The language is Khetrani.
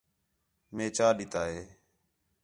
مے چا ݙِتا ہے